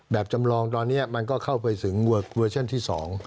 จำลองตอนนี้มันก็เข้าไปถึงเวอร์ชั่นที่๒